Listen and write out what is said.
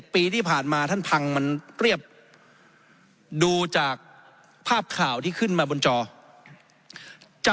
ปีที่ผ่านมาท่านพังมันเรียบดูจากภาพข่าวที่ขึ้นมาบนจอ